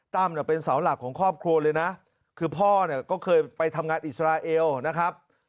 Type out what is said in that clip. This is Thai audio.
เป็นเสาหลักของครอบครัวเลยนะคือพ่อเนี่ยก็เคยไปทำงานอิสราเอลนะครับ